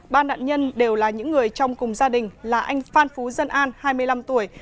ba nạn nhân đều là những người trong cùng gia đình là anh phan phú dân an hai mươi năm tuổi